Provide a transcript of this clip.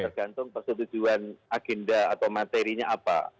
tergantung persetujuan agenda atau materinya apa